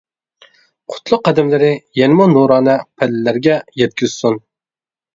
قۇتلۇق قەدەملىرى يەنىمۇ نۇرانە پەللىلەرگە يەتكۈزسۇن!